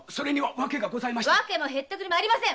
訳もへったくれもありません。